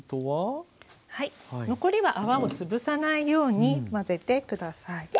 はい残りは泡をつぶさないように混ぜて下さい。